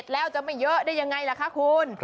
แล้วจะไม่เยอะได้ยังไงล่ะคะคุณ